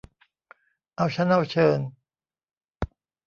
เอาชั้นเอาเชิง